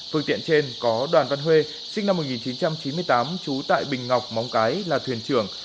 phương tiện trên có đoàn văn huê sinh năm một nghìn chín trăm chín mươi tám trú tại bình ngọc móng cái là thuyền trưởng